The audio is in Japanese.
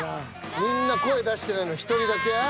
みんな声出してないのに１人だけ「ああ！」